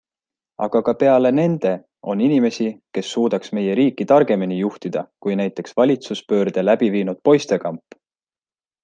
Aga ka peale nende on inimesi, kes suudaks meie riiki targemini juhtida kui näiteks valitsuspöörde läbi viinud poistekamp.